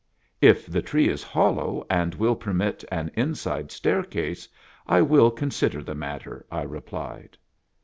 " If the tree is hollow, and will permit an inside staircase, 1 will consider the matter," I replied.